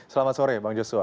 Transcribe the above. selamat sore bang joshua